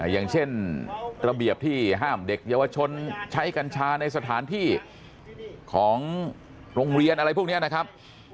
อย่างเช่นระเบียบที่ห้ามเด็กเยาวชนใช้กัญชาในสถานที่ของโรงเรียนอะไรพวกนี้นะครับ